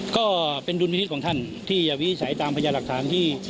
ก็เป็นรุนวิทธิษฐ์ของท่านที่อย่าวิจัยตามประญาณหลักฐานที่